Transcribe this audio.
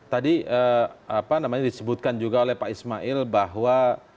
tadi disebutkan juga oleh pak ismail bahwa